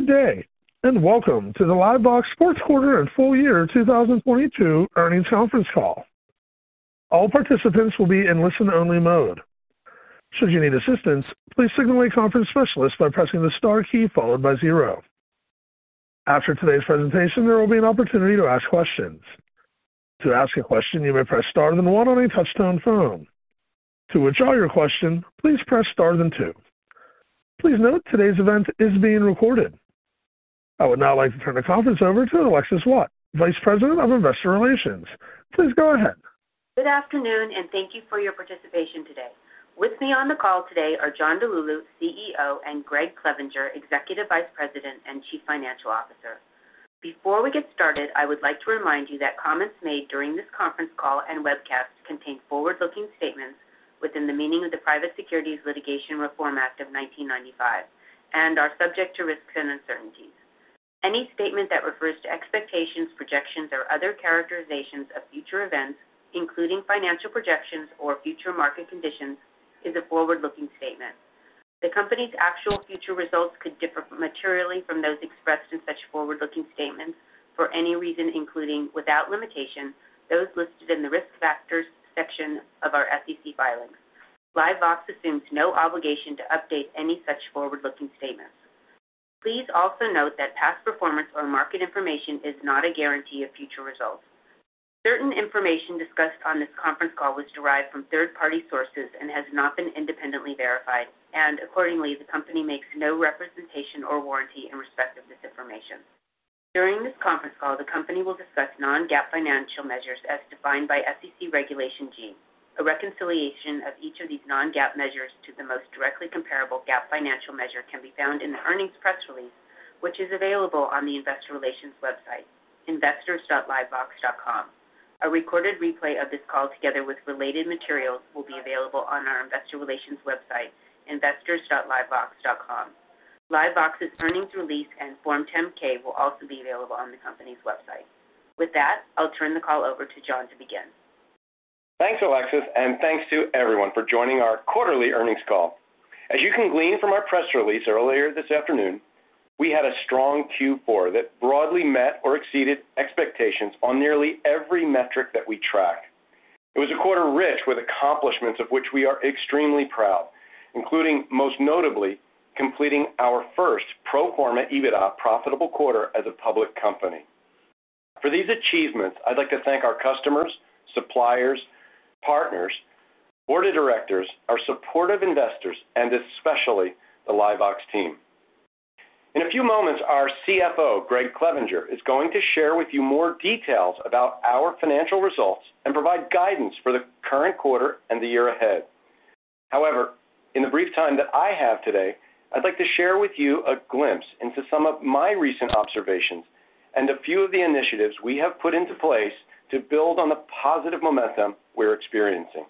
Good day, welcome to the LiveVox Q4 and full year 2022 earnings conference call. All participants will be in listen-only mode. Should you need assistance, please signal a conference specialist by pressing the star key followed by zero. After today's presentation, there will be an opportunity to ask questions. To ask a question, you may press star then one on a touch-tone phone. To withdraw your question, please press star then two. Please note today's event is being recorded. I would now like to turn the conference over to Alexis Waadt, Vice President of Investor Relations. Please go ahead. Good afternoon, and thank you for your participation today. With me on the call today are John DiLullo, CEO, and Gregg Clevenger, Executive Vice President and Chief Financial Officer. Before we get started, I would like to remind you that comments made during this conference call and webcast contain forward-looking statements within the meaning of the Private Securities Litigation Reform Act of 1995 and are subject to risks and uncertainties. Any statement that refers to expectations, projections, or other characterizations of future events, including financial projections or future market conditions, is a forward-looking statement. The Company's actual future results could differ from materially from those expressed in such forward-looking statements for any reason, including, without limitation, those listed in the Risk Factors section of our SEC filings. LiveVox assumes no obligation to update any such forward-looking statements. Please also note that past performance or market information is not a guarantee of future results. Certain information discussed on this conference call was derived from third-party sources and has not been independently verified, and accordingly, the Company makes no representation or warranty in respect of this information. During this conference call, the Company will discuss non-GAAP financial measures as defined by SEC Regulation G. A reconciliation of each of these non-GAAP measures to the most directly comparable GAAP financial measure can be found in the earnings press release, which is available on the investor relations website, investors.livevox.com. A recorded replay of this call together with related materials will be available on our investor relations website, investors.livevox.com. LiveVox's earnings release and Form 10-K will also be available on the company's website. With that, I'll turn the call over to John to begin. Thanks, Alexis, and thanks to everyone for joining our quarterly earnings call. As you can glean from our press release earlier this afternoon, we had a strong Q4 that broadly met or exceeded expectations on nearly every metric that we track. It was a quarter rich with accomplishments of which we are extremely proud, including most notably completing our first pro forma EBITDA profitable quarter as a public company. For these achievements, I'd like to thank our customers, suppliers, partners, board of directors, our supportive investors, and especially the LiveVox team. In a few moments, our CFO, Gregg Clevenger, is going to share with you more details about our financial results and provide guidance for the current quarter and the year ahead. In the brief time that I have today, I'd like to share with you a glimpse into some of my recent observations and a few of the initiatives we have put into place to build on the positive momentum we're experiencing.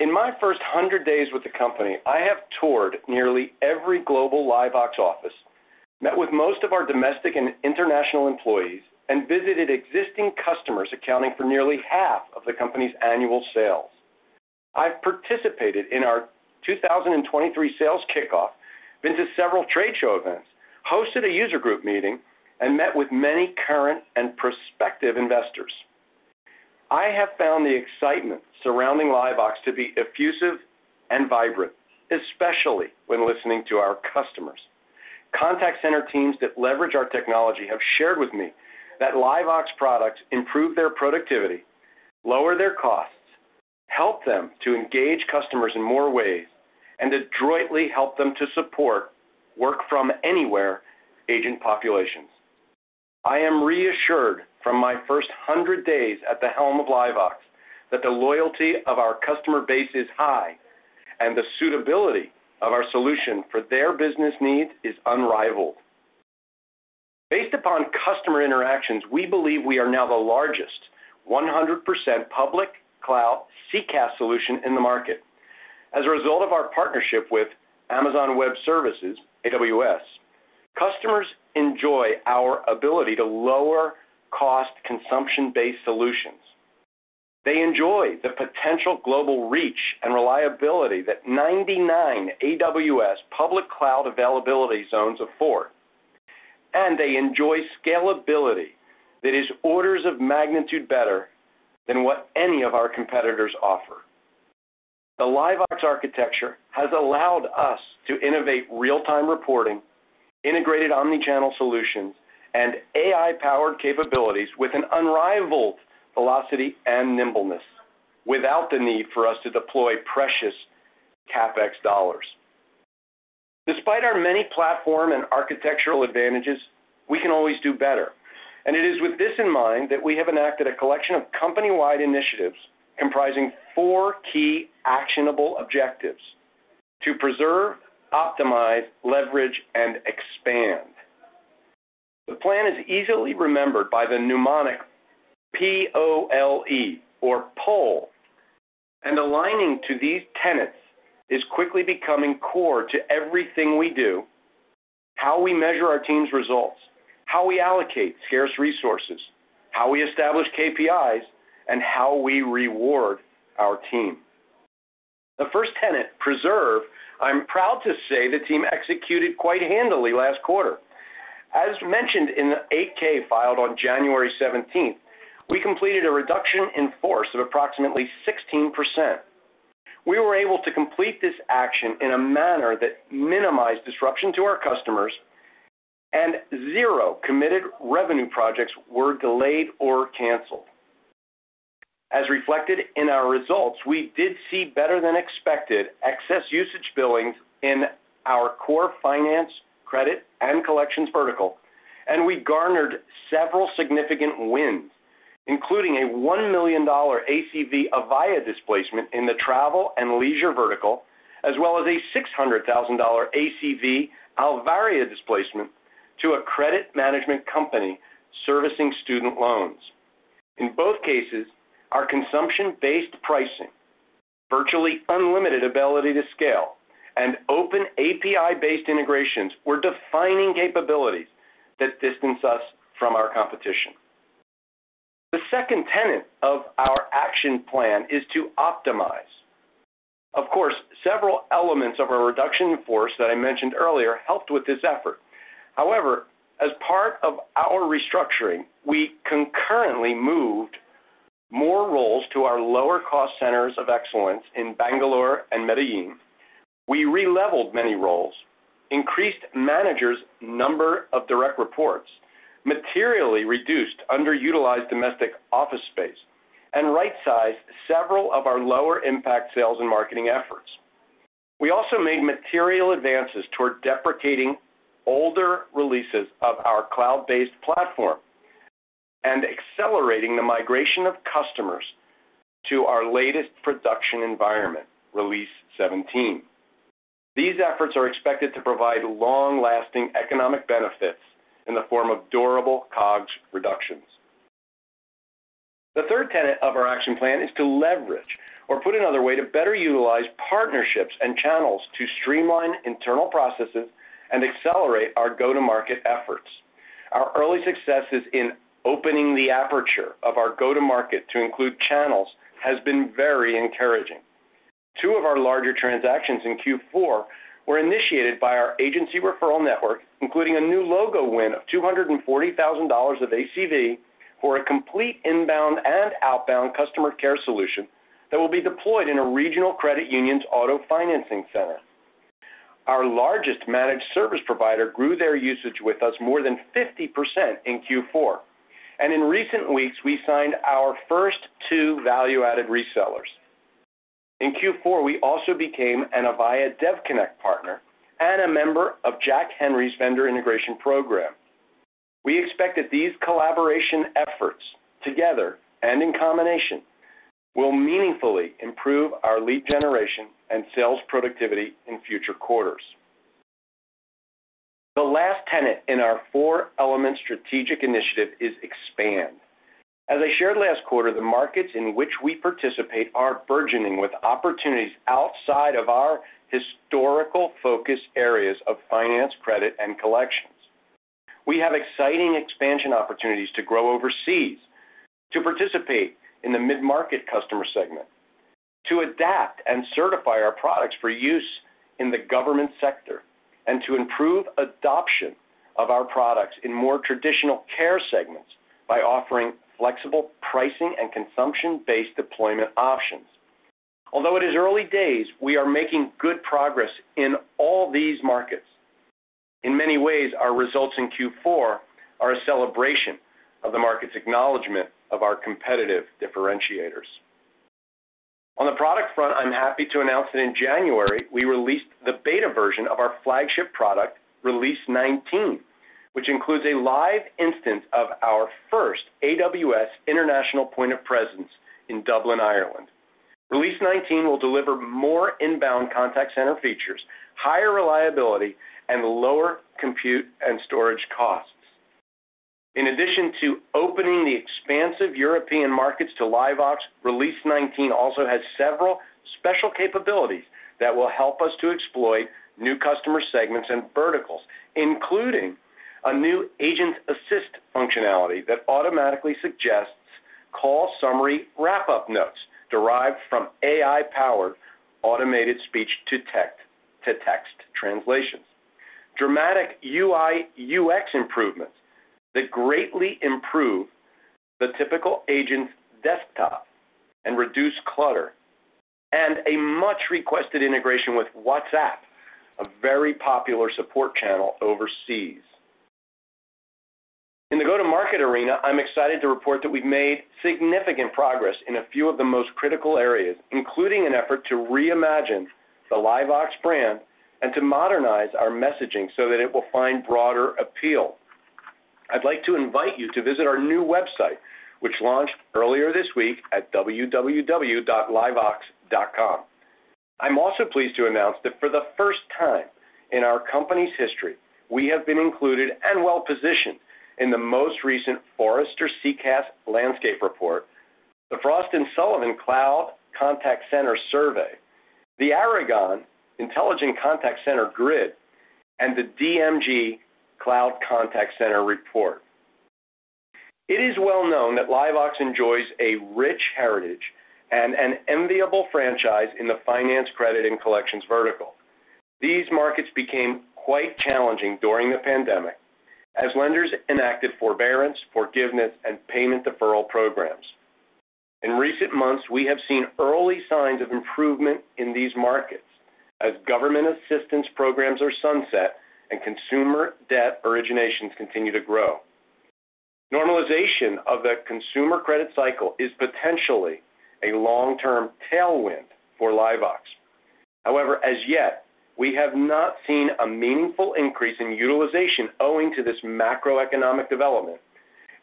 In my first 100 days with the company, I have toured nearly every global LiveVox office, met with most of our domestic and international employees, and visited existing customers accounting for nearly half of the company's annual sales. I've participated in our 2023 sales kickoff, been to several trade show events, hosted a user group meeting, and met with many current and prospective investors. I have found the excitement surrounding LiveVox to be effusive and vibrant, especially when listening to our customers. Contact center teams that leverage our technology have shared with me that LiveVox products improve their productivity, lower their costs, help them to engage customers in more ways, and adroitly help them to support work from anywhere agent populations. I am reassured from my first 100 days at the helm of LiveVox that the loyalty of our customer base is high and the suitability of our solution for their business needs is unrivaled. Based upon customer interactions, we believe we are now the largest 100% public cloud CCaaS solution in the market. As a result of our partnership with Amazon Web Services, AWS, customers enjoy our ability to lower cost consumption-based solutions. They enjoy the potential global reach and reliability that 99 AWS public cloud availability zones afford. They enjoy scalability that is orders of magnitude better than what any of our competitors offer. The LiveVox architecture has allowed us to innovate real-time reporting, integrated omni-channel solutions, and AI-powered capabilities with an unrivaled velocity and nimbleness without the need for us to deploy precious CapEx dollars. Despite our many platform and architectural advantages, we can always do better. It is with this in mind that we have enacted a collection of company-wide initiatives comprising four key actionable objectives: to preserve, optimize, leverage, and expand. The plan is easily remembered by the mnemonic P-O-L-E or POLE, aligning to these tenets is quickly becoming core to everything we do, how we measure our team's results, how we allocate scarce resources, how we establish KPIs, and how we reward our team. The first tenet, preserve, I'm proud to say the team executed quite handily last quarter. As mentioned in the 8-K filed on January 17th, we completed a reduction in force of approximately 16%. We were able to complete this action in a manner that minimized disruption to our customers, and zero committed revenue projects were delayed or canceled. As reflected in our results, we did see better-than-expected excess usage billings in our core finance, credit, and collections vertical, and we garnered several significant wins, including a $1 million ACV Avaya displacement in the travel and leisure vertical, as well as a $600,000 ACV Alvaria displacement to a credit management company servicing student loans. In both cases, our consumption-based pricing, virtually unlimited ability to scale, and open API-based integrations were defining capabilities that distance us from our competition. The second tenet of our action plan is to optimize. Of course, several elements of our reduction in force that I mentioned earlier helped with this effort. As part of our restructuring, we concurrently moved more roles to our lower-cost centers of excellence in Bangalore and Medellín. We re-leveled many roles, increased managers' number of direct reports, materially reduced underutilized domestic office space, and right-sized several of our lower-impact sales and marketing efforts. We also made material advances toward deprecating older releases of our cloud-based platform and accelerating the migration of customers to our latest production environment, Release 17. These efforts are expected to provide long-lasting economic benefits in the form of durable COGS reductions. The third tenet of our action plan is to leverage or, put another way, to better utilize partnerships and channels to streamline internal processes and accelerate our go-to-market efforts. Our early successes in opening the aperture of our go-to-market to include channels has been very encouraging. Two of our larger transactions in Q4 were initiated by our agency referral network, including a new logo win of $240,000 of ACV for a complete inbound and outbound customer care solution that will be deployed in a regional credit union's auto financing center. Our largest managed service provider grew their usage with us more than 50% in Q4. In recent weeks, we signed our first two value-added resellers. In Q4, we also became an Avaya DevConnect Partner and a member of Jack Henry Vendor Integration Program (VIP). We expect that these collaboration efforts, together and in combination, will meaningfully improve our lead generation and sales productivity in future quarters. The last tenet in our four-element strategic initiative is expand. As I shared last quarter, the markets in which we participate are burgeoning with opportunities outside of our historical focus areas of finance, credit, and collections. We have exciting expansion opportunities to grow overseas, to participate in the mid-market customer segment, to adapt and certify our products for use in the government sector, and to improve adoption of our products in more traditional care segments by offering flexible pricing and consumption-based deployment options. Although it is early days, we are making good progress in all these markets. In many ways, our results in Q4 are a celebration of the market's acknowledgment of our competitive differentiators. On the product front, I'm happy to announce that in January, we released the beta version of our flagship product, Release 19, which includes a live instance of our first AWS international point of presence in Dublin, Ireland. Release 19 will deliver more inbound contact center features, higher reliability, and lower compute and storage costs. In addition to opening the expansive European markets to LiveVox, Release 19 also has several special capabilities that will help us to exploit new customer segments and verticals, including a new Agent Assist functionality that automatically suggests call summary wrap-up notes derived from AI-powered automated speech to text, to text translations. Dramatic UI, UX improvements that greatly improve the typical agent's desktop and reduce clutter. A much-requested integration with WhatsApp, a very popular support channel overseas. In the go-to-market arena, I'm excited to report that we've made significant progress in a few of the most critical areas, including an effort to reimagine the LiveVox brand and to modernize our messaging so that it will find broader appeal. I'd like to invite you to visit our new website, which launched earlier this week at www.livevox.com. I'm also pleased to announce that for the first time in our company's history, we have been included and well-positioned in the most recent Forrester CCaaS Landscape report, the Frost & Sullivan Cloud Contact Center survey, the Aragon Research Globe for Intelligent Contact Centers, and the DMG Cloud Contact Center report. It is well known that LiveVox enjoys a rich heritage and an enviable franchise in the finance, credit, and collections vertical. These markets became quite challenging during the pandemic as lenders enacted forbearance, forgiveness, and payment deferral programs. In recent months, we have seen early signs of improvement in these markets as government assistance programs are sunset and consumer debt originations continue to grow. Normalization of the consumer credit cycle is potentially a long-term tailwind for LiveVox. As yet, we have not seen a meaningful increase in utilization owing to this macroeconomic development,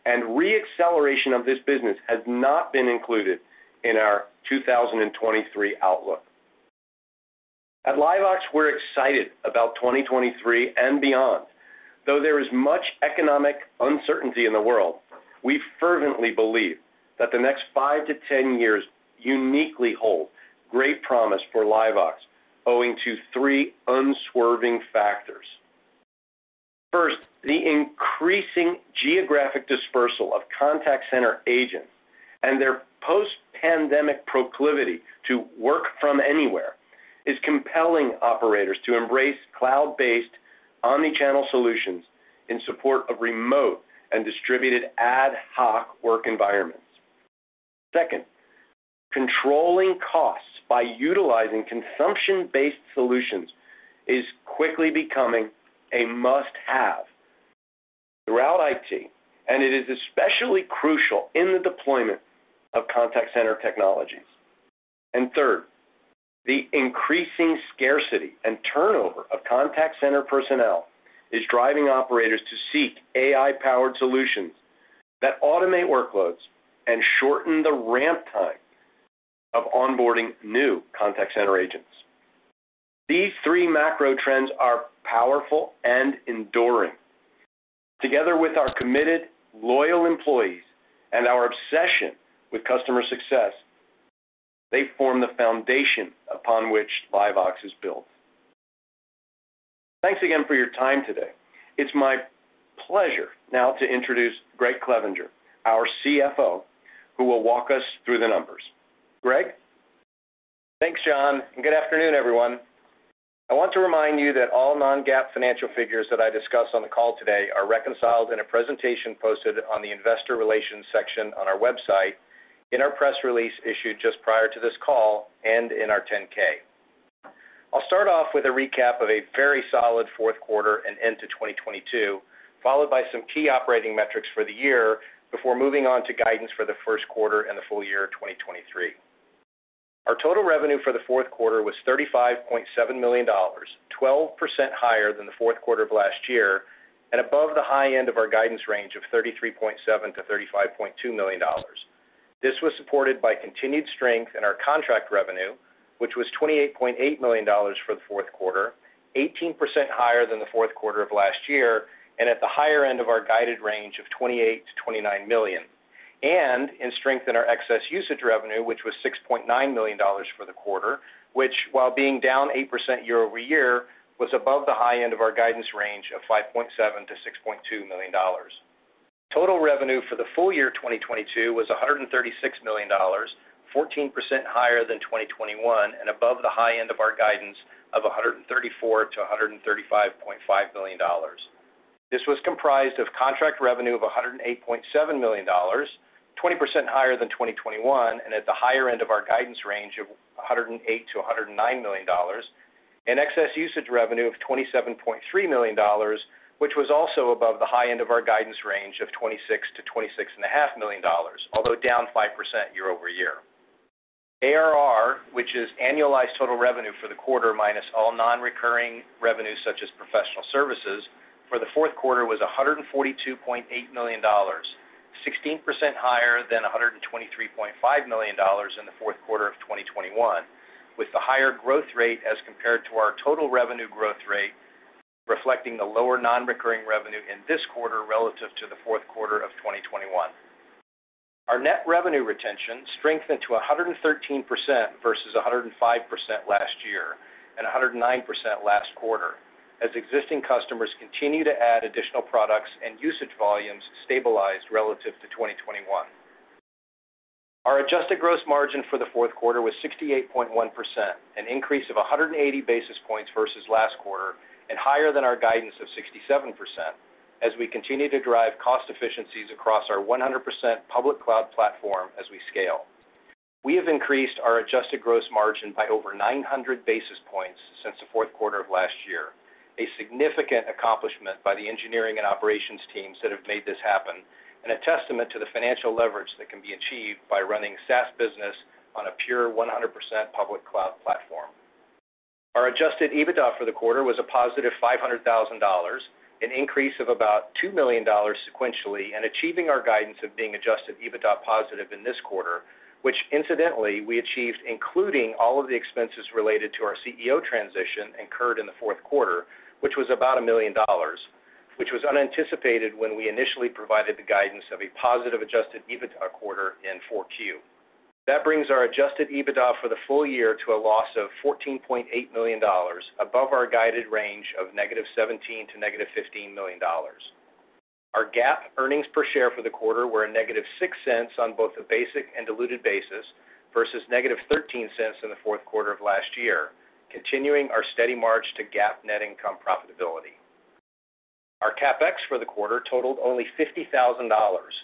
and re-acceleration of this business has not been included in our 2023 outlook. At LiveVox, we're excited about 2023 and beyond. There is much economic uncertainty in the world, we fervently believe that the next five to 10 years uniquely hold great promise for LiveVox owing to three unswerving factors. First, the increasing geographic dispersal of contact center agents and their post-pandemic proclivity to work from anywhere is compelling operators to embrace cloud-based omni-channel solutions in support of remote and distributed ad hoc work environments. Second, controlling costs by utilizing consumption-based solutions is quickly becoming a must-have throughout IT, and it is especially crucial in the deployment of contact center technologies. Third, the increasing scarcity and turnover of contact center personnel is driving operators to seek AI-powered solutions that automate workloads and shorten the ramp time of onboarding new contact center agents. These three macro trends are powerful and enduring. Together with our committed, loyal employees and our obsession with customer success, they form the foundation upon which LiveVox is built. Thanks again for your time today. It's my pleasure now to introduce Gregg Clevenger, our CFO, who will walk us through the numbers. Gregg? Thanks, John. Good afternoon, everyone. I want to remind you that all non-GAAP financial figures that I discuss on the call today are reconciled in a presentation posted on the investor relations section on our website, in our press release issued just prior to this call, and in our 10-K. I'll start off with a recap of a very solid Q4 and end to 2022, followed by some key operating metrics for the year before moving on to guidance for the Q1 and the full year 2023. Our total revenue for the Q4 was $35.7 million, 12% higher than the Q4 of last year and above the high end of our guidance range of $33.7 million-$35.2 million. This was supported by continued strength in our contract revenue, which was $28.8 million for the Q4, 18% higher than the Q4 of last year, and at the higher end of our guided range of $28 million-$29 million, and in strength in our excess usage revenue, which was $6.9 million for the quarter, which, while being down 8% year-over-year, was above the high end of our guidance range of $5.7 million-$6.2 million. Total revenue for the full year 2022 was $136 million, 14% higher than 2021, and above the high end of our guidance of $134 million-$135.5 million. This was comprised of contract revenue of $108.7 million, 20% higher than 2021, and at the higher end of our guidance range of $108 million-$100 million, and excess usage revenue of $27.3 million, which was also above the high end of our guidance range of $26 million-$26.5 million, although down 5% year-over-year. ARR, which is annualized total revenue for the quarter minus all non-recurring revenues such as professional services, for the Q4 was $142.8 million, 16% higher than $123.5 million in the Q4 of 2021, with the higher growth rate as compared to our total revenue growth rate reflecting the lower non-recurring revenue in this quarter relative to the Q4of 2021. Our net revenue retention strengthened to 113% versus 105% last year and 109% last quarter as existing customers continued to add additional products and usage volumes stabilized relative to 2021. Our adjusted gross margin for the Q4 was 68.1%, an increase of 180 basis points versus last quarter and higher than our guidance of 67% as we continue to drive cost efficiencies across our 100% public cloud platform as we scale. We have increased our adjusted gross margin by over 900 basis points since the Q4 of last year, a significant accomplishment by the engineering and operations teams that have made this happen and a testament to the financial leverage that can be achieved by running SaaS business on a pure 100% public cloud platform. Our adjusted EBITDA for the quarter was a positive $500,000, an increase of about $2 million sequentially and achieving our guidance of being adjusted EBITDA positive in this quarter, which incidentally we achieved including all of the expenses related to our CEO transition incurred in the Q4, which was about $1 million, which was unanticipated when we initially provided the guidance of a positive adjusted EBITDA quarter in 4Q. This brings our adjusted EBITDA for the full year to a loss of $14.8 million, above our guided range of -$17 million to -$15 million. Our GAAP earnings per share for the quarter were a negative $0.06 on both a basic and diluted basis versus negative $0.13 in the Q4 of last year, continuing our steady march to GAAP net income profitability. Our CapEx for the quarter totaled only $50,000,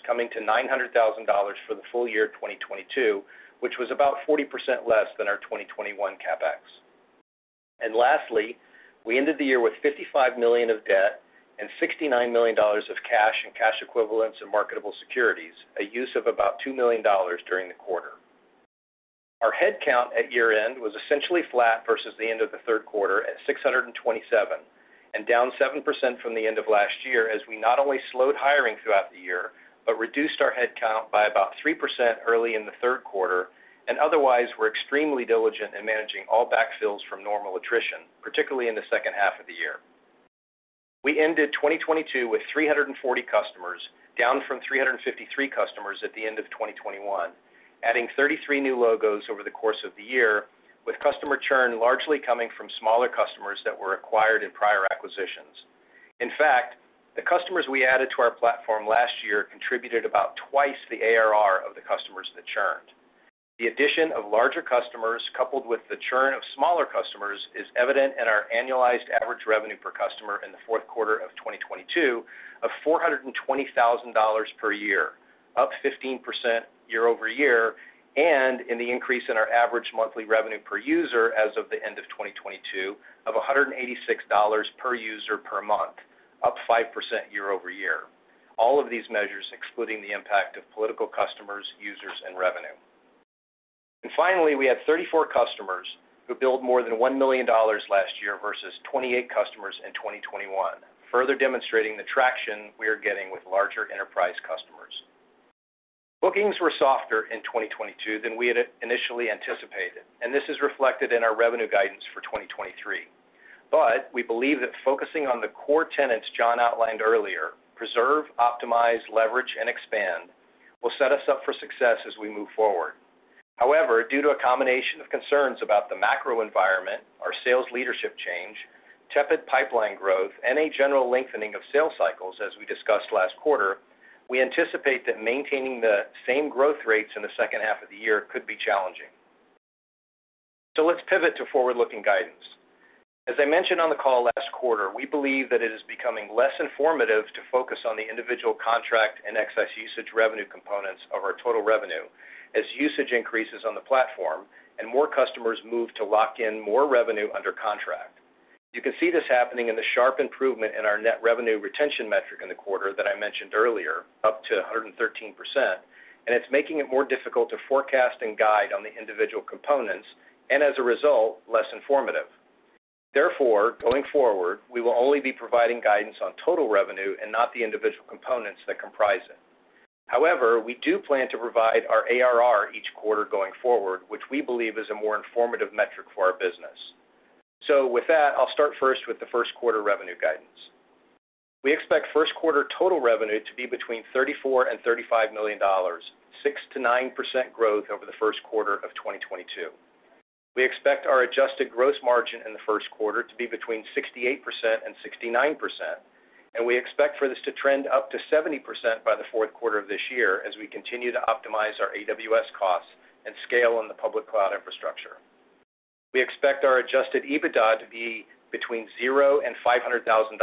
coming to $900,000 for the full year 2022, which was about 40% less than our 2021 CapEx. Lastly, we ended the year with $55 million of debt and $69 million of cash and cash equivalents and marketable securities, a use of about $2 million during the quarter. Our headcount at year-end was essentially flat versus the end of the Q3 at 627, and down 7% from the end of last year as we not only slowed hiring throughout the year, but reduced our headcount by about 3% early in the Q3, and otherwise were extremely diligent in managing all backfills from normal attrition, particularly in the second half of the year. We ended 2022 with 340 customers, down from 353 customers at the end of 2021, adding 33 new logos over the course of the year, with customer churn largely coming from smaller customers that were acquired in prior acquisitions. In fact, the customers we added to our platform last year contributed about 2x the ARR of the customers that churned. The addition of larger customers coupled with the churn of smaller customers is evident in our annualized average revenue per customer in the Q4 of 2022 of $420,000 per year, up 15% year-over-year, and in the increase in our average monthly revenue per user as of the end of 2022 of $186 per user per month, up 5% year-over-year. All of these measures excluding the impact of political customers, users, and revenue. Finally, we had 34 customers who billed more than $1 million last year versus 28 customers in 2021, further demonstrating the traction we are getting with larger enterprise customers. Bookings were softer in 2022 than we had initially anticipated, this is reflected in our revenue guidance for 2023. We believe that focusing on the core tenets John outlined earlier, preserve, optimize, leverage, and expand, will set us up for success as we move forward. However, due to a combination of concerns about the macro environment, our sales leadership change, tepid pipeline growth, and a general lengthening of sales cycles, as we discussed last quarter, we anticipate that maintaining the same growth rates in the second half of the year could be challenging. Let's pivot to forward-looking guidance. As I mentioned on the call last quarter, we believe that it is becoming less informative to focus on the individual contract and excess usage revenue components of our total revenue as usage increases on the platform and more customers move to lock in more revenue under contract. You can see this happening in the sharp improvement in our net revenue retention metric in the quarter that I mentioned earlier, up to 113%, and it's making it more difficult to forecast and guide on the individual components, and as a result, less informative. Therefore, going forward, we will only be providing guidance on total revenue and not the individual components that comprise it. However, we do plan to provide our ARR each quarter going forward, which we believe is a more informative metric for our business. With that, I'll start first with the Q1 revenue guidance. We expect Q1 total revenue to be between $34 million and $35 million, 6%-9% growth over the Q1 of 2022. We expect our adjusted gross margin in the Q1 to be between 68% and 69%, and we expect for this to trend up to 70% by the Q4 of this year as we continue to optimize our AWS costs and scale on the public cloud infrastructure. We expect our adjusted EBITDA to be between $0 and $500,000,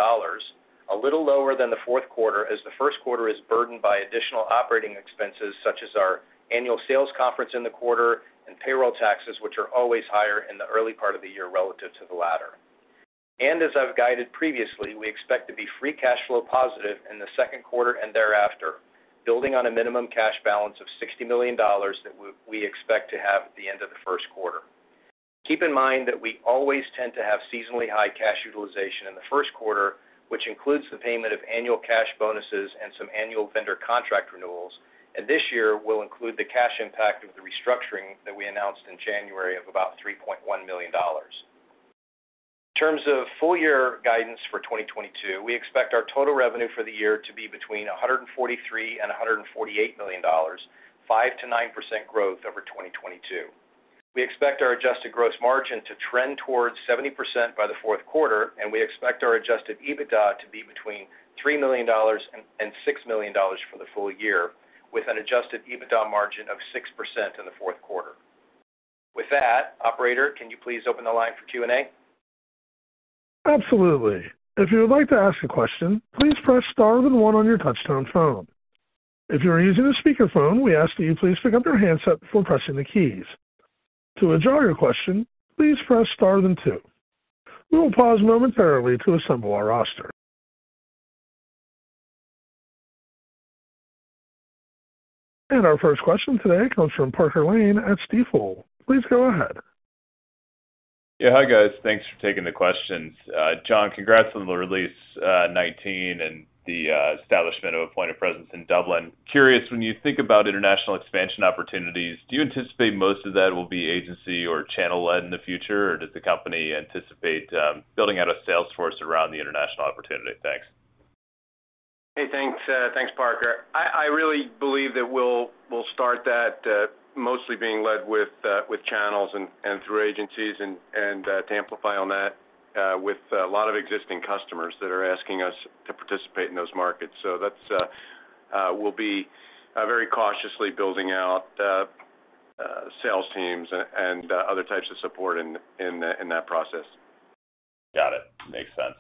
a little lower than the Q4 as the Q1 is burdened by additional operating expenses such as our annual sales conference in the quarter and payroll taxes, which are always higher in the early part of the year relative to the latter. As I've guided previously, we expect to be free cash flow positive in the Q2 and thereafter, building on a minimum cash balance of $60 million that we expect to have at the end of the Q1. Keep in mind that we always tend to have seasonally high cash utilization in the Q1, which includes the payment of annual cash bonuses and some annual vendor contract renewals, and this year will include the cash impact of the restructuring that we announced in January of about $3.1 million. In terms of full year guidance for 2022, we expect our total revenue for the year to be between $143 million and $148 million, 5%-9% growth over 2022. We expect our adjusted gross margin to trend towards 70% by the Q4. We expect our adjusted EBITDA to be between $3 million and $6 million for the full year, with an adjusted EBITDA margin of 6% in the Q4. With that, operator, can you please open the line for Q&A? Absolutely. If you would like to ask a question, please press star then one on your touchtone phone. If you are using a speakerphone, we ask that you please pick up your handset before pressing the keys. To withdraw your question, please press star then two. We will pause momentarily to assemble our roster. Our first question today comes from Parker Lane at Stifel. Please go ahead. Hi, guys. Thanks for taking the questions. John, congrats on the Release 19 and the establishment of a point of presence in Dublin. Curious, when you think about international expansion opportunities, do you anticipate most of that will be agency or channel-led in the future? Does the company anticipate building out a sales force around the international opportunity? Thanks. Hey, thanks, Parker. I really believe that we'll start that mostly being led with channels and through agencies and to amplify on that with a lot of existing customers that are asking us to participate in those markets. That's we'll be very cautiously building out sales teams and other types of support in that process. Got it. Makes sense.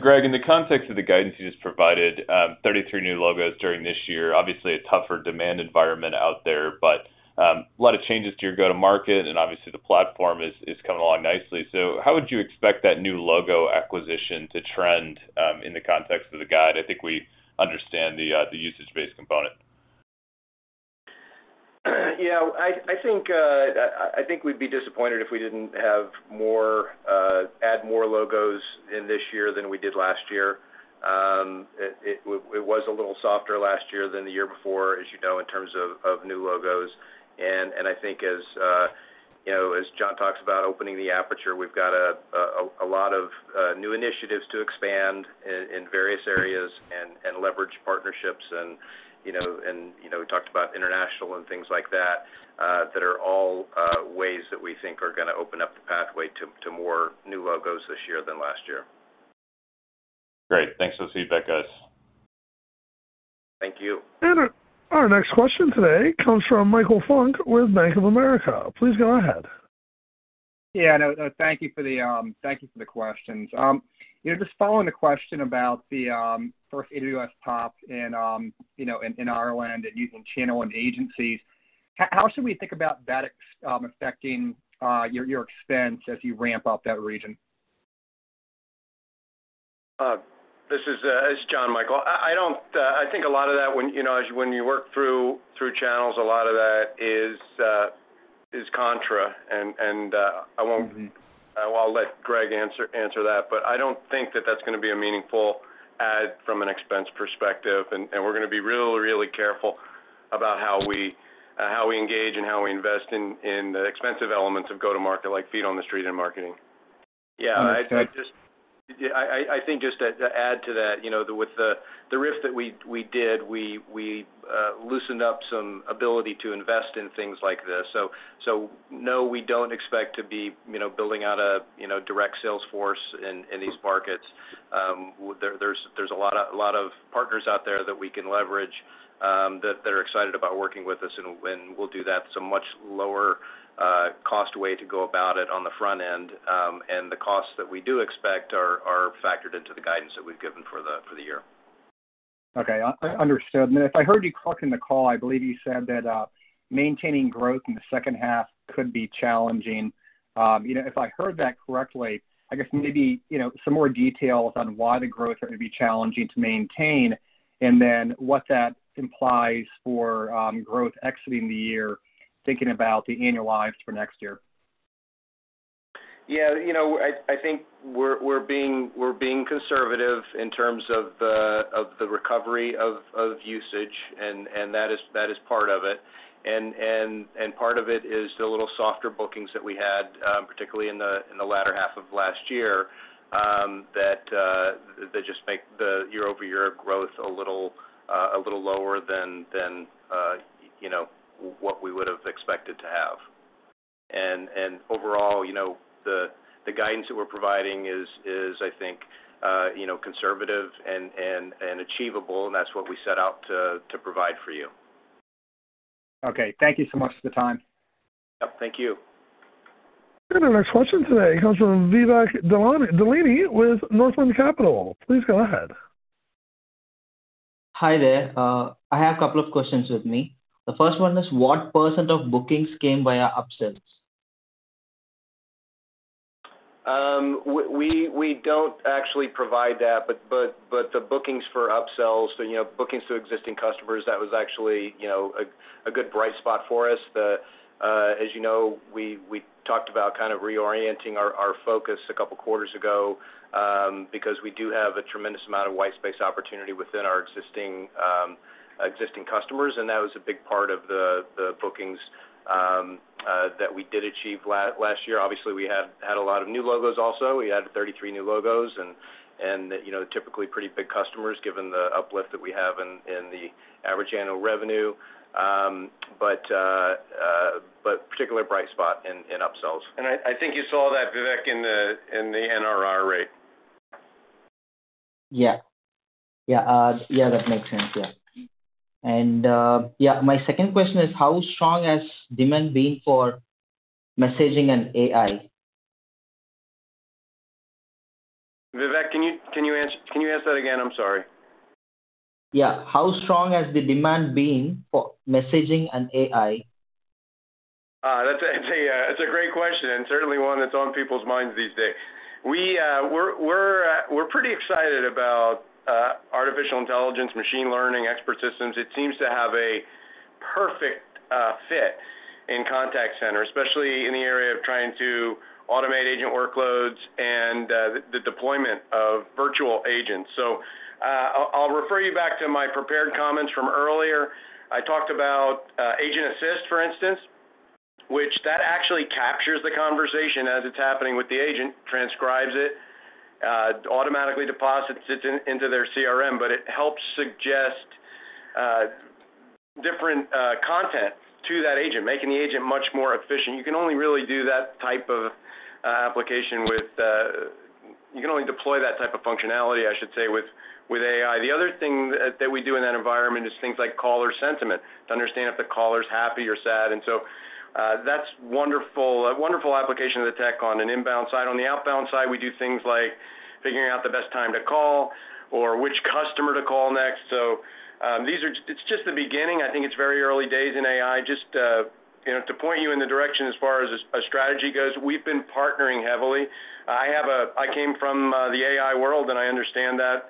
Greg, in the context of the guidance you just provided, 33 new logos during this year, obviously a tougher demand environment out there, but a lot of changes to your go-to-market and obviously the platform is coming along nicely. How would you expect that new logo acquisition to trend in the context of the guide? I think we understand the usage-based component. You know, I think we'd be disappointed if we didn't have more, add more logos in this year than we did last year. It was a little softer last year than the year before, as you know, in terms of new logos. I think as, you know, as John talks about opening the aperture, we've got a lot of new initiatives to expand in various areas and leverage partnerships and, you know, and, you know, we talked about international and things like that are all ways that we think are gonna open up the pathway to more new logos this year than last year. Great. Thanks for the feedback, guys. Thank you. Our next question today comes from Michael Funk with Bank of America. Please go ahead. Yeah, no, thank you for the questions. You know, just following the question about the, first AWS top in, you know, in Ireland and using channel and agencies, how should we think about that affecting your expense as you ramp up that region? This is John, Michael. I think a lot of that when, you know, when you work through channels, a lot of that is contra. Mm-hmm. I'll let Greg answer that. I don't think that that's gonna be a meaningful add from an expense perspective, and we're gonna be really, really careful about how we engage and how we invest in the expensive elements of go-to-market, like feet on the street and marketing. Yeah. Understood. I just. Yeah, I think just to add to that, you know, with the risk that we did, we loosened up some ability to invest in things like this. No, we don't expect to be, you know, building out a direct sales force in these markets. There's a lot of partners out there that we can leverage that are excited about working with us, and we'll do that. It's a much lower cost way to go about it on the front end. The costs that we do expect are factored into the guidance that we've given for the year. Okay. Understood. If I heard you correctly in the call, I believe you said that maintaining growth in the second half could be challenging. You know, if I heard that correctly, I guess maybe, you know, some more details on why the growth are gonna be challenging to maintain, and then what that implies for growth exiting the year, thinking about the annual lives for next year? Yeah, you know, I think we're being conservative in terms of the recovery of usage, and that is part of it. Part of it is the little softer bookings that we had, particularly in the latter half of last year, that they just make the year-over-year growth a little lower than you know, what we would've expected to have. Overall, you know, the guidance that we're providing is I think, you know, conservative and achievable, and that's what we set out to provide for you. Okay. Thank you so much for the time. Yep, thank you. Our next question today comes from Vivek Palani with Northland Capital. Please go ahead. Hi there. I have a couple of questions with me. The first one is, what % of bookings came via upsells? We don't actually provide that, but the bookings for upsells, you know, bookings to existing customers, that was actually, you know, a good bright spot for us. As you know, we talked about kind of reorienting our focus a couple of quarters ago, because we do have a tremendous amount of white space opportunity within our existing customers, and that was a big part of the bookings that we did achieve last year. Obviously, we had a lot of new logos also. We added 33 new logos and, you know, typically pretty big customers, given the uplift that we have in the average annual revenue. Particularly a bright spot in upsells. I think you saw that, Vivek, in the NRR rate. Yeah. Yeah. Yeah, that makes sense. Yeah. Yeah, my second question is, how strong has demand been for messaging and AI? Vivek, can you ask that again? I'm sorry. Yeah. How strong has the demand been for messaging and AI? That's a, it's a great question, and certainly one that's on people's minds these days. We're pretty excited about artificial intelligence, machine learning, expert systems. It seems to have a perfect fit in contact center, especially in the area of trying to automate agent workloads and the deployment of virtual agents. I'll refer you back to my prepared comments from earlier. I talked about Agent Assist, for instance. Which that actually captures the conversation as it's happening with the agent, transcribes it, automatically deposits it into their CRM, but it helps suggest different content to that agent, making the agent much more efficient. You can only deploy that type of functionality, I should say, with AI. The other thing that we do in that environment is things like caller sentiment, to understand if the caller's happy or sad. That's wonderful, a wonderful application of the tech on an inbound side. On the outbound side, we do things like figuring out the best time to call or which customer to call next. It's just the beginning. I think it's very early days in AI. Just, you know, to point you in the direction as far as a strategy goes, we've been partnering heavily. I came from the AI world, and I understand that.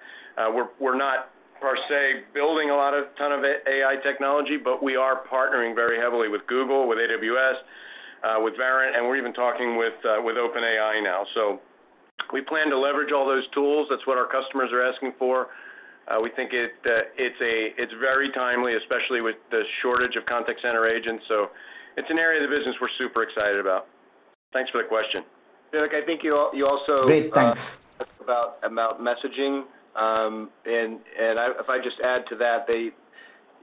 We're not, per se, building a lot of ton of AI technology, but we are partnering very heavily with Google, with AWS, with Verint, and we're even talking with OpenAI now. We plan to leverage all those tools. That's what our customers are asking for. We think it's very timely, especially with the shortage of contact center agents. It's an area of the business we're super excited about. Thanks for the question. Vivek, I think you also- Great. Thanks. talked about amount messaging. If I just add to that, they,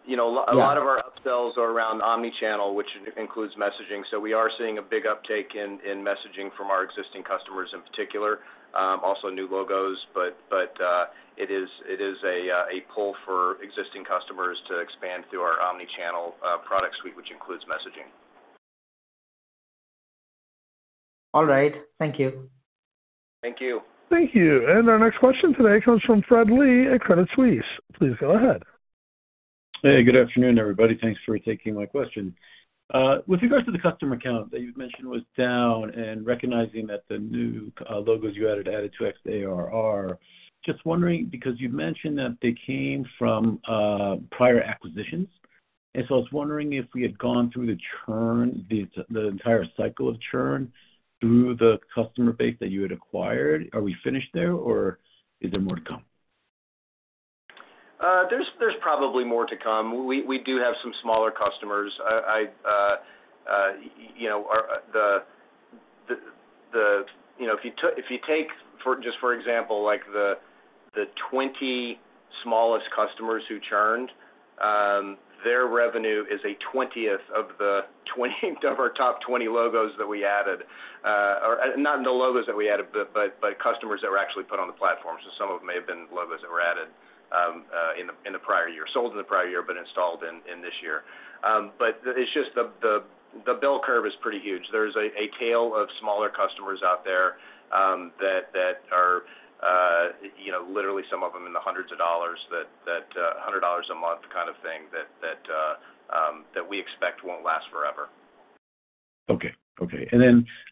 you know... a lot of our upsells are around omni-channel, which includes messaging. We are seeing a big uptake in messaging from our existing customers in particular, also new logos. It is a pull for existing customers to expand through our omni-channel product suite, which includes messaging. All right. Thank you. Thank you. Thank you. Our next question today comes from Fred Lee at Credit Suisse. Please go ahead. Hey, good afternoon, everybody. Thanks for taking my question. With regards to the customer count that you've mentioned was down and recognizing that the new logos you added added to xARR, just wondering, because you've mentioned that they came from prior acquisitions. I was wondering if we had gone through the churn, the entire cycle of churn through the customer base that you had acquired. Are we finished there, or is there more to come? There's probably more to come. We do have some smaller customers. You know, if you take for, just for example, like, the 20 smallest customers who churned, their revenue is a twentieth of our top 20 logos that we added. Not the logos that we added, but customers that were actually put on the platform. Some of them may have been logos that were added in the prior year. Sold in the prior year, but installed in this year. It's just the bill curve is pretty huge. There's a tail of smaller customers out there, that are, you know, literally some of them in the hundreds of dollars that, $100 a month kind of thing that we expect won't last forever. Okay. Okay.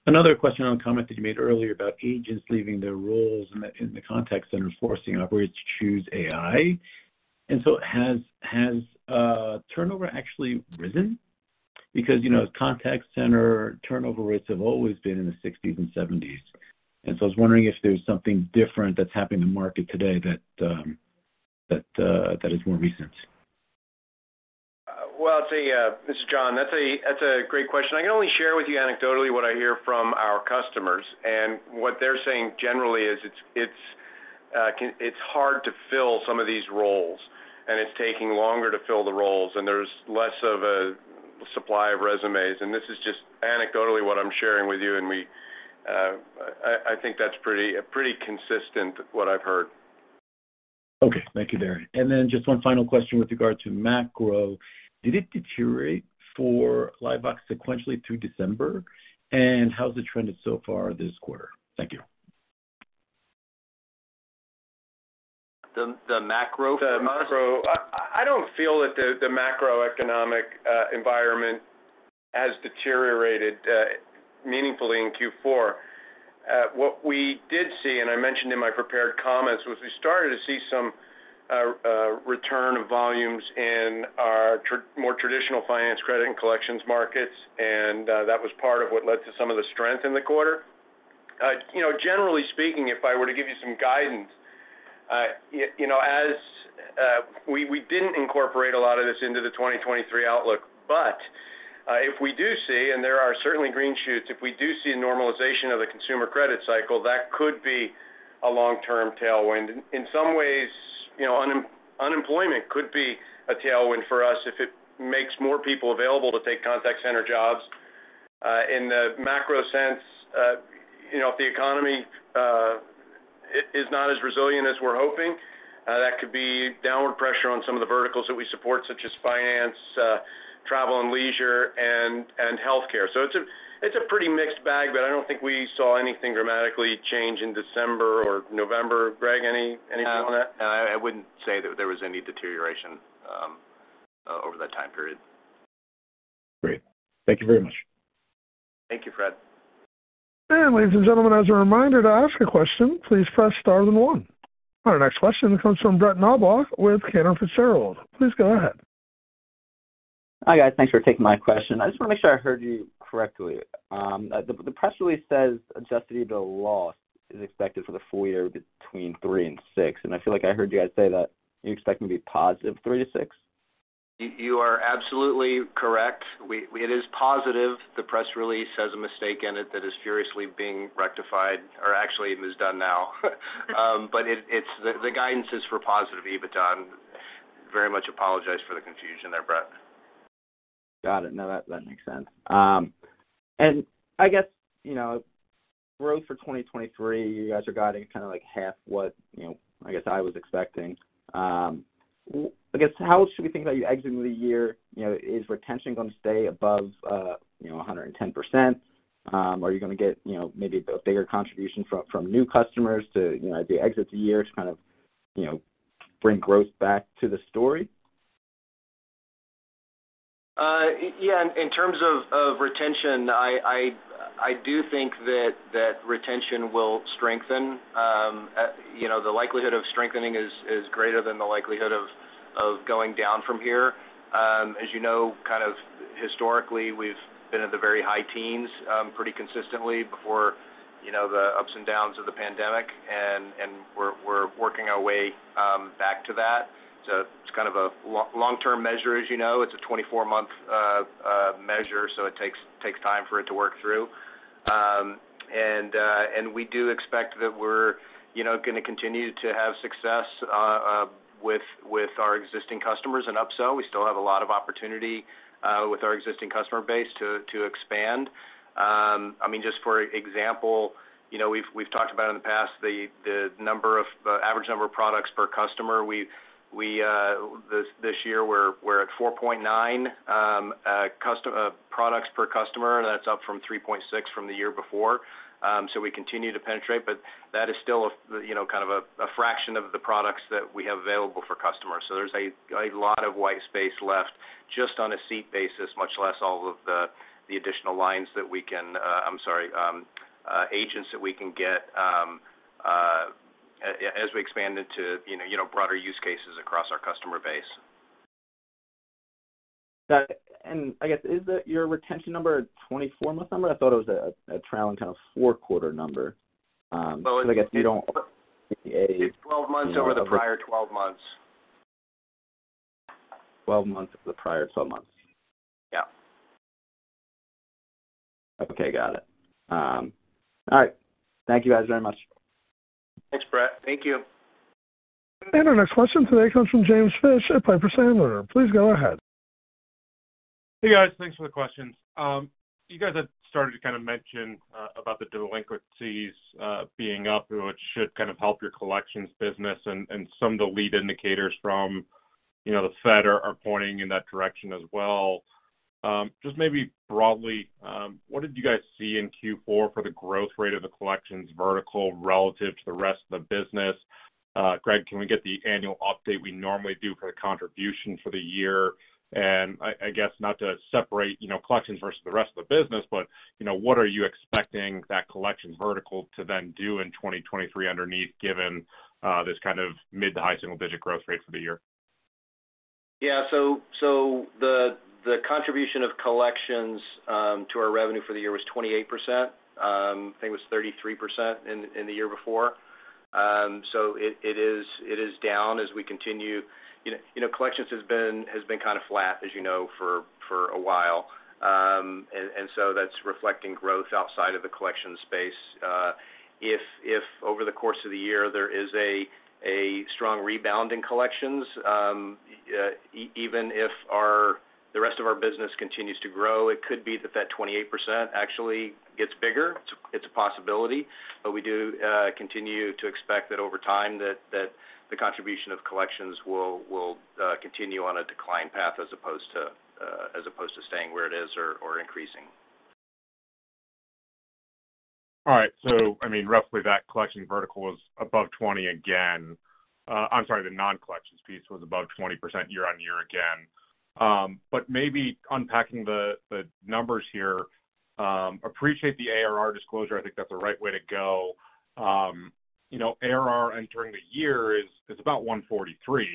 Another question on the comment that you made earlier about agents leaving their roles in the contact center, forcing operators to choose AI. Has turnover actually risen? Because, you know, contact center turnover rates have always been in the sixties and seventies. I was wondering if there's something different that's happening in the market today that is more recent. Well, this is John. That's a great question. I can only share with you anecdotally what I hear from our customers, and what they're saying generally is it's hard to fill some of these roles, and it's taking longer to fill the roles, and there's less of a supply of resumes. This is just anecdotally what I'm sharing with you, and we... I think that's pretty consistent what I've heard. Okay. Thank you, John. Just one final question with regard to macro. Did it deteriorate for LiveVox sequentially through December? How's it trended so far this quarter? Thank you. The macro. I don't feel that the macroeconomic environment has deteriorated meaningfully in Q4. What we did see, and I mentioned in my prepared comments, was we started to see some return of volumes in our more traditional finance credit and collections markets. And that was part of what led to some of the strength in the quarter. You know, generally speaking, if I were to give you some guidance, you know, as... We didn't incorporate a lot of this into the 2023 outlook. But if we do see, and there are certainly green shoots, if we do see a normalization of the consumer credit cycle, that could be a long-term tailwind. In some ways, you know, unemployment could be a tailwind for us if it makes more people available to take contact center jobs. In the macro sense, you know, if the economy is not as resilient as we're hoping, that could be downward pressure on some of the verticals that we support, such as finance, travel and leisure, and healthcare. It's a pretty mixed bag, but I don't think we saw anything dramatically change in December or November. Gregg, anything on that? I wouldn't say that there was any deterioration over that time period. Great. Thank you very much. Thank you, Fred. Ladies and gentlemen, as a reminder, to ask a question, please press star then one. Our next question comes from Brett Knoblauch with Cantor Fitzgerald. Please go ahead. Hi, guys. Thanks for taking my question. I just wanna make sure I heard you correctly. The press release says adjusted EBITDA loss is expected for the full year between $3 million and $6 million, I feel like I heard you guys say that you expect it to be positive $3 million to $6 million. You are absolutely correct. It is positive. The press release has a mistake in it that is furiously being rectified or actually it was done now. It's the guidance is for positive EBITDA and very much apologize for the confusion there, Brett. Got it. No, that makes sense. I guess, you know, growth for 2023, you guys are guiding kind of like half what, you know, I guess I was expecting. I guess, how should we think about you exiting the year? You know, is retention gonna stay above, you know, 110%? Are you gonna get, you know, maybe a bigger contribution from new customers to, you know, as you exit the year to kind of, you know, bring growth back to the story? Yeah, in terms of retention, I do think that that retention will strengthen. You know, the likelihood of strengthening is greater than the likelihood of going down from here. As you know, kind of historically, we've been at the very high teens, pretty consistently before, you know, the ups and downs of the pandemic and we're working our way back to that. It's kind of a long-term measure, as you know. It's a 24-month measure, so it takes time for it to work through. And we do expect that we're, you know, gonna continue to have success with our existing customers and upsell. We still have a lot of opportunity with our existing customer base to expand. I mean, just for example, you know, we've talked about in the past the average number of products per customer. We this year we're at 4.9 products per customer. That's up from 3.6 from the year before. We continue to penetrate, but that is still a, you know, kind of a fraction of the products that we have available for customers. There's a lot of white space left just on a seat basis, much less all of the additional lines that we can, I'm sorry, agents that we can get as we expand into, you know, broader use cases across our customer base. Got it. I guess, is that your retention number a 24-month number? I thought it was a trailing kind of 4-quarter number. I guess you don't. It's 12 months over the prior 12 months. 12 months of the prior 12 months. Yeah. Okay, got it. All right. Thank you guys very much. Thanks, Brett. Thank you. Our next question today comes from James Fish at Piper Sandler. Please go ahead. Hey, guys. Thanks for the questions. You guys have started to kind of mention about the delinquencies being up, which should kind of help your collections business and some of the lead indicators from, you know, the Fed are pointing in that direction as well. Just maybe broadly, what did you guys see in Q4 for the growth rate of the collections vertical relative to the rest of the business? Greg, can we get the annual update we normally do for the contribution for the year? I guess not to separate, you know, collections versus the rest of the business, but, you know, what are you expecting that collections vertical to then do in 2023 underneath, given this kind of mid to high single digit growth rate for the year? Yeah. The contribution of collections to our revenue for the year was 28%. I think it was 33% in the year before. It is down as we continue. You know, collections has been kind of flat, as you know, for a while. That's reflecting growth outside of the collection space. If over the course of the year there is a strong rebound in collections, even if the rest of our business continues to grow, it could be that 28% actually gets bigger. It's a possibility. We do continue to expect that over time, that the contribution of collections will continue on a decline path as opposed to staying where it is or increasing. I mean, roughly that collection vertical was above 20 again. I'm sorry, the non-collections piece was above 20% year-on-year again. Maybe unpacking the numbers here, appreciate the ARR disclosure. I think that's the right way to go. You know, ARR entering the year is about $143 million,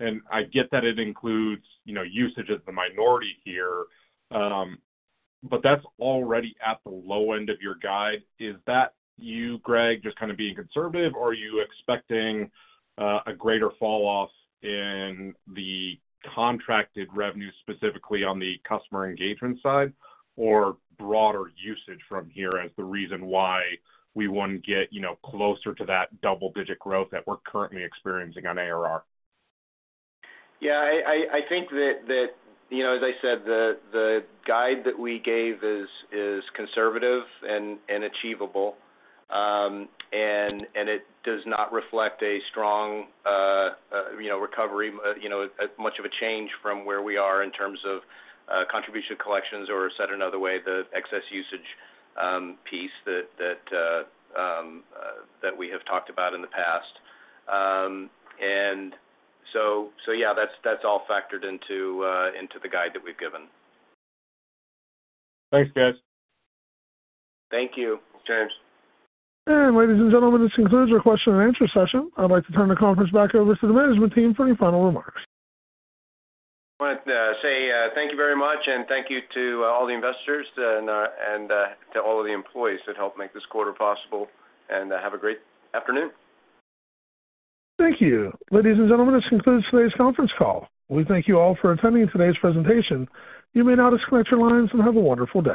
and I get that it includes, you know, usage as the minority here, but that's already at the low end of your guide. Is that you, Greg, just kind of being conservative or are you expecting a greater fall off in the contracted revenue, specifically on the customer engagement side or broader usage from here as the reason why we wouldn't get, you know, closer to that double-digit growth that we're currently experiencing on ARR? Yeah, I, I think that, you know, as I said, the guide that we gave is conservative and achievable. It does not reflect a strong, you know, recovery, you know, as much of a change from where we are in terms of, contribution collections or said another way, the excess usage, piece that, that we have talked about in the past. Yeah, that's all factored into the guide that we've given. Thanks, guys. Thank you, James. Ladies and gentlemen, this concludes our question and answer session. I'd like to turn the conference back over to the management team for any final remarks. I want to say thank you very much, and thank you to all the investors and to all of the employees that helped make this quarter possible. Have a great afternoon. Thank you. Ladies and gentlemen, this concludes today's conference call. We thank you all for attending today's presentation. You may now disconnect your lines and have a wonderful day.